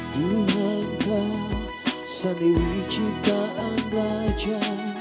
duh hayung kau sandai ciptaan raja